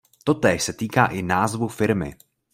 Totéž se týká i názvu firmy.